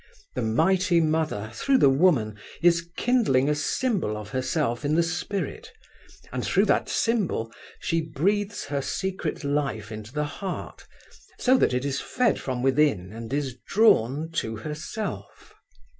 The Mighty Mother through the woman is kindling a symbol of herself in the spirit, and through that symbol she breathes her secret life into the heart, so that it is fed from within and is drawn to herself.